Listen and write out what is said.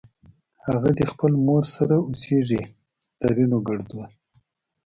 اغه دې خپلې مور سره اوسېږ؛ ترينو ګړدود